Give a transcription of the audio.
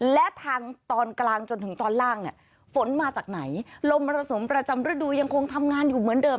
และทางตอนกลางจนถึงตอนล่างเนี่ยฝนมาจากไหนลมมรสุมประจำฤดูยังคงทำงานอยู่เหมือนเดิม